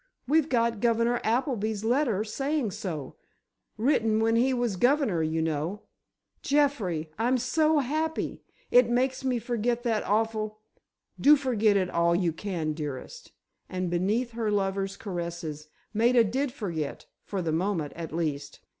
We've got Governor Appleby's letter, saying so—written when he was governor, you know! Jeffrey—I'm so happy! It makes me forget that awful——" "Do forget it all you can, dearest," and beneath her lover's caresses, Maida did forget, for the moment at least.